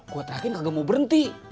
gue terlakin kagak mau berhenti